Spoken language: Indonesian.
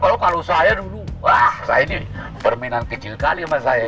kalau saya dulu wah saya ini permainan kecil kali sama saya